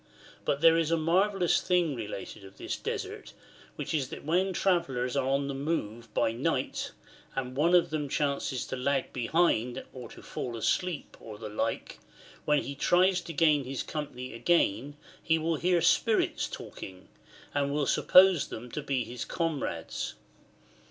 But there is a marvellous thing related of this Desert, which is that when travellers are on the move by night, and one of them chances to lag behind or to fall asleep or the like, when he tries to gain his company again he v/ill hear spirits talking, and will suppose them to be his comrades.